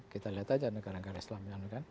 kita lihat saja negara negara islam